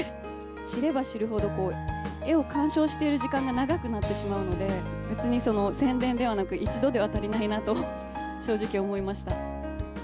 知れば知るほど絵を鑑賞している時間が長くなってしまうので、別にその、宣伝ではなく、一度では足りないなと、正直思いました。